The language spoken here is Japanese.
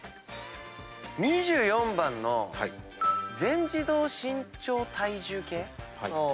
２４番の全自動身長体重計。